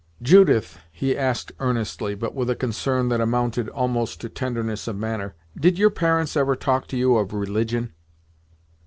"Judith," he asked earnestly, but with a concern that amounted almost to tenderness of manner, "did your parents ever talk to you of religion?"